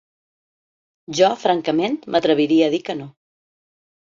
Jo, francament, m’atreviria a dir que no.